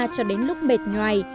cho đến lúc mệt ngoài